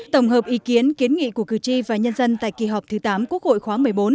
tổng hợp ý kiến kiến nghị của cử tri và nhân dân tại kỳ họp thứ tám quốc hội khóa một mươi bốn